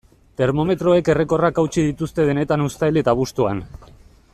Termometroek errekorrak hautsi dituzte denetan uztail eta abuztuan.